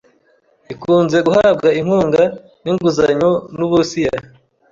ikunze guhabwa inkunga n'inguzanyo n'Uburusiya,